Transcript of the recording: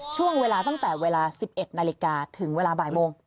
ช่วงเวลาตั้งแต่เวลา๑๑นาฬิกาถึงเวลาบ่ายโมง